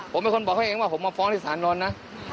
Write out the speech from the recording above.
ผมเป็นคนบอกเขาเองว่าผมมาฟ้องที่สารนอนนะ